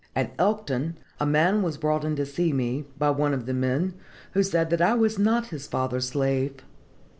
"At Elkton a man was brought in to see me, by one of the men, who said that I was not his father's slave.